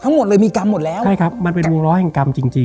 ทั้งหมดเลยมีกรรมหมดแล้วใช่ครับมันเป็นวงร้อยแห่งกรรมจริงจริง